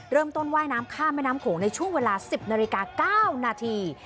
ว่ายน้ำข้ามแม่น้ำโขงในช่วงเวลา๑๐นาฬิกา๙นาที